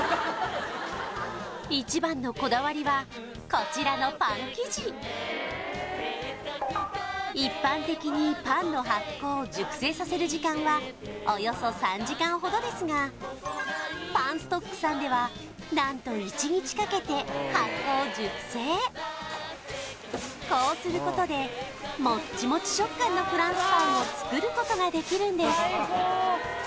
一番のこだわりはこちらのパン生地一般的にパンの発酵熟成させる時間はおよそ３時間ほどですがパンストックさんでは何と１日かけて発酵・熟成こうすることでモッチモチ食感のフランスパンを作ることができるんです